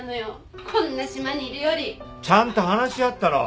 ・ちゃんと話し合ったろう。